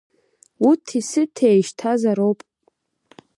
Уҭи-сыҭи еишьҭазароуп.